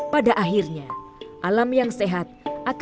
pada akhirnya alam yang sehat akan membuat sejahtera